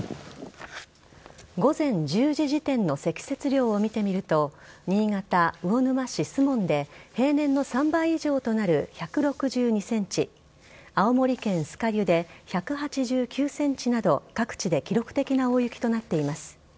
午前１０時時点の積雪量を見てみると、新潟・魚沼市守門で平年の３倍以上となる１６２センチ、青森県酸ケ湯で１８９センチなど、各地で記録的な大雪となっています。